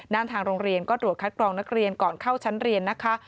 ทางโรงเรียนก็ตรวจคัดกรองนักเรียนก่อนเข้าชั้นเรียนนะคะ